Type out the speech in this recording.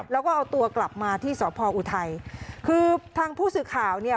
แล้วก็เอาตัวกลับมาที่สพออุทัยคือทางผู้สื่อข่าวเนี่ย